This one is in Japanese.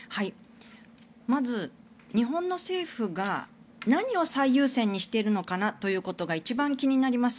まず、日本の政府が何を最優先にしているのかなということが一番気になります。